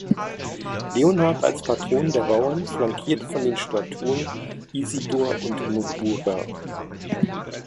Leonhard als Patron der Bauern flankiert von den Statuen Isidor und Notburga.